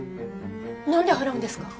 なんで払うんですか？